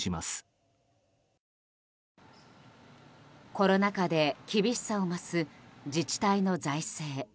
コロナ禍で厳しさを増す自治体の財政。